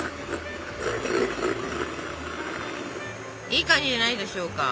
いい感じじゃないでしょうか。